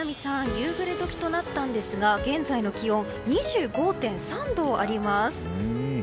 夕暮れ時となったんですが現在の気温、２５．３度あります。